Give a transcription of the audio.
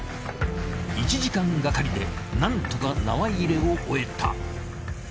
１時間がかりでなんとか縄入れを終えた。